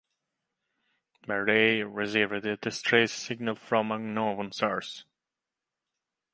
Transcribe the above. There they receive a distress signal from an unknown source.